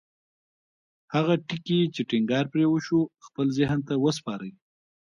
هغه ټکي چې ټينګار پرې وشو خپل ذهن ته وسپارئ.